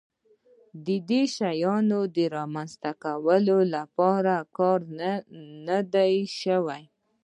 د دې شیانو د رامنځته کولو لپاره کار نه دی شوی.